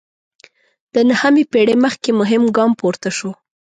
د نهمې پېړۍ مخکې مهم ګام پورته شو.